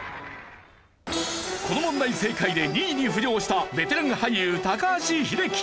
この問題正解で２位に浮上したベテラン俳優高橋英樹。